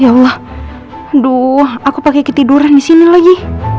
ya allah aduh aku pake ketiduran disini lagi